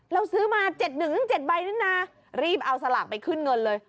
เราซื้อมาเจ็ดหนึ่งยังเจ็ดใบนั้นน่ะรีบเอาสลักไปขึ้นเงินเลย